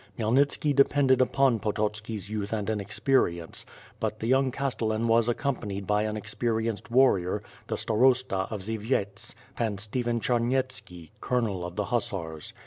Khmyelnitski depended up(m Pototski's youth and inexperience, l)nt the younii: Cast.ellnn was accompanied by nn experienced warrior, the starosta of Zyviets, Pan Stephen C'harnyetski, colonel of the hussars.